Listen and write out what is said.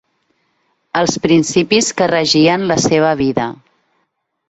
Els principis que regien la seva vida.